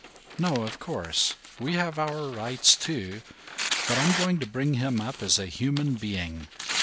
"No, of course. We have our rights, too. But I'm going to bring him up as a human being.